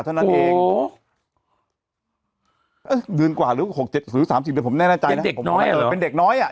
ยังไงยังไงยังไงยังไงยังไงยังไง